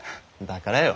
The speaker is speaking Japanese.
だからよ。